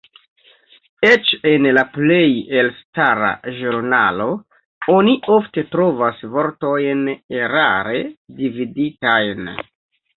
Eĉ en la plej elstara ĵurnalo oni ofte trovas vortojn erare dividitajn.